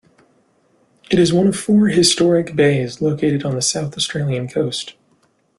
It is one of four 'historic bays' located on the South Australian coast.